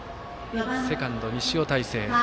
セカンド、西尾太晴。